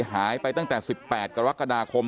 หายไปตั้งแต่๑๘กรกฎาคม